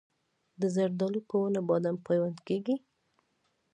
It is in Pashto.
د زردالو په ونه بادام پیوند کیږي؟